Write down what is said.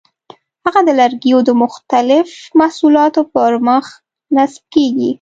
هغه د لرګیو د مختلفو محصولاتو پر مخ نصب کېږي.